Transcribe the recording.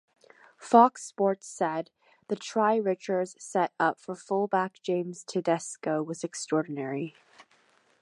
Fox sports said, The try Richards set up for fullback James Tedesco was extraordinary.